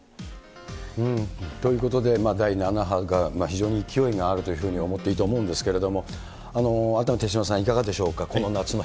ということで、第７波が非常に勢いがあるというふうに思ってもいいと思うんですけども、改めて手嶋さん、いかがでしょうか。